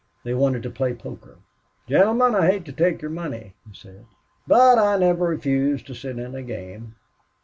They wanted to play poker. "Gentlemen, I hate to take your money," he said. "But I never refuse to sit in a game.